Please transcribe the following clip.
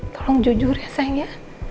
tolong jujur ya sayang ya